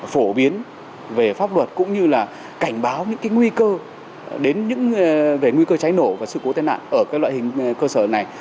phổ biến về pháp luật cũng như là cảnh báo những cái nguy cơ đến những về nguy cơ cháy nổ và sự cố tên nạn ở các loại hình cơ sở này